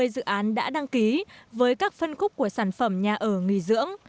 hai mươi dự án đã đăng ký với các phân khúc của sản phẩm nhà ở nghỉ dưỡng